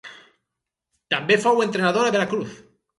També fou entrenador a Veracruz.